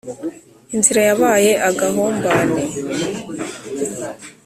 Inzira yabaye agahombane!